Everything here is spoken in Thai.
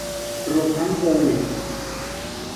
รวมทั้งโควิด